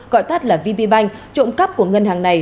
gọi tắt là vp banh trộm cắp của ngân hàng này